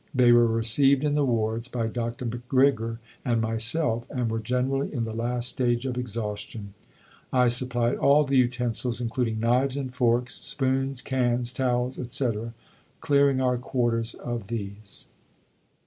They were received in the wards by Dr. McGrigor and myself, and were generally in the last stage of exhaustion. I supplied all the utensils, including knives and forks, spoons, cans, towels, etc., clearing our quarters of these."